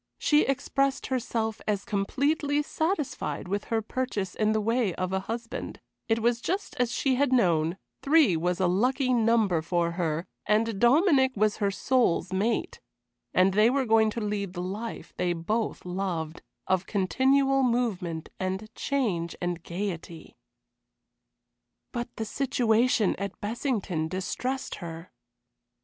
She expressed herself as completely satisfied with her purchase in the way of a husband; it was just as she had known, three was a lucky number for her, and Dominic was her soul's mate, and they were going to lead the life they both loved, of continual movement and change and gayety. But the situation at Bessington distressed her.